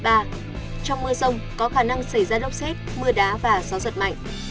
trong mưa sông có khả năng xảy ra đốc xét mưa đá và gió giật mạnh